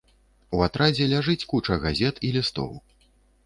У атрадзе ляжыць куча газет і лістоў.